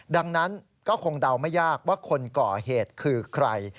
ดังนั้นก็คงเดาไม่ยากว่าคนก่อเหตุคือใคร